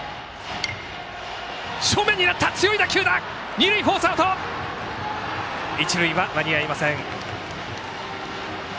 二塁フォースアウト一塁は間に合いません。